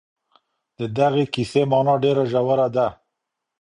د دغي کیسې مانا ډېره ژوره ده.